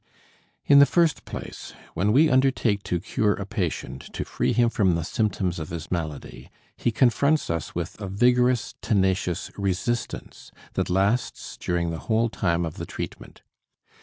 In the first place: When we undertake to cure a patient, to free him from the symptoms of his malady, he confronts us with a vigorous, tenacious resistance that lasts during the whole time of the treatment.